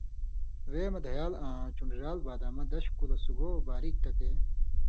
وے مہ دھیال آں چُن٘ڑیۡ رال بادامہ دش کُلہۡ سُگو باریک ٹکے